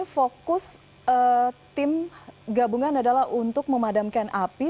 fokus tim gabungan adalah untuk memadamkan api